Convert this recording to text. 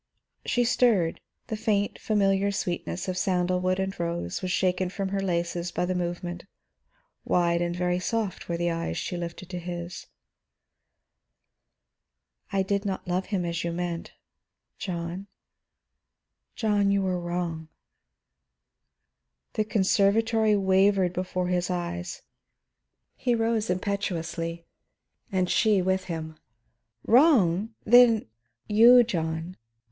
She stirred, the faint, familiar sweetness of sandalwood and rose was shaken from her laces by the movement; wide and very soft were the eyes she lifted to his. "I did not love him, as you meant. John, John, you were wrong." The conservatory wavered before his gaze; he rose impetuously and she with him. "Wrong? Then " "You, John.